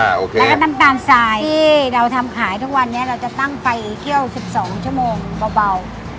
แล้วก็น้ำตาลทรายที่เราทำขายทุกวันนี้เราจะตั้งไฟเคี่ยว๑๒ชั่วโมงเบา